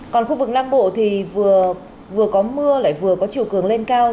còn khu vực nam bộ thì vừa có mưa lại vừa có chiều cường lên cao